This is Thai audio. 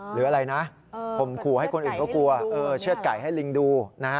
หรืออะไรนะข่มขู่ให้คนอื่นก็กลัวเชื่อดไก่ให้ลิงดูนะฮะ